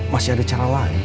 masih ada cara lain